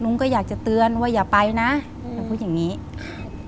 ก็อยากจะเตือนว่าอย่าไปนะหนูพูดอย่างงี้ครับ